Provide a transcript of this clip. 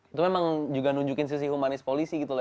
itu memang juga nunjukin sisi humanis polisi gitu loh